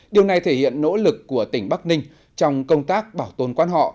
điều này thể hiện nỗ lực của tỉnh bắc ninh trong công tác bảo tồn quan họ